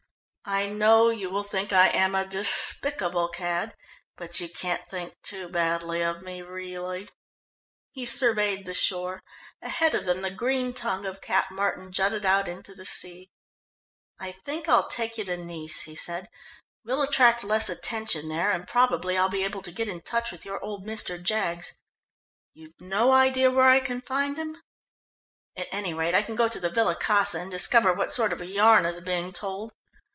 "I know you will think I am a despicable cad, but you can't think too badly of me, really." He surveyed the shore. Ahead of them the green tongue of Cap Martin jutted out into the sea. "I think I'll take you to Nice," he said. "We'll attract less attention there, and probably I'll be able to get into touch with your old Mr. Jaggs. You've no idea where I can find him? At any rate, I can go to the Villa Casa and discover what sort of a yarn is being told."